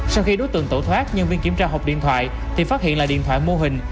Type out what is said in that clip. sau khi đối tượng tẩu thoát nhân viên kiểm tra hộp điện thoại thì phát hiện là điện thoại mô hình